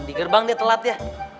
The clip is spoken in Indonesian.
di gerbang dia telat ya